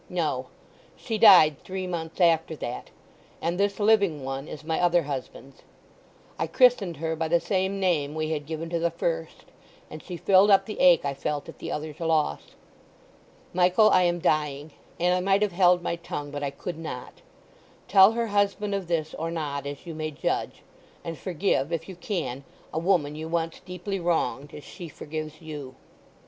No; she died three months after that, and this living one is my other husband's. I christened her by the same name we had given to the first, and she filled up the ache I felt at the other's loss. Michael, I am dying, and I might have held my tongue; but I could not. Tell her husband of this or not, as you may judge; and forgive, if you can, a woman you once deeply wronged, as she forgives you.